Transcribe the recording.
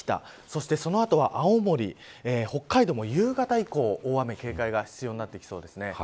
そして、その後は青森北海道も夕方以降大雨に警戒が必要になってきます。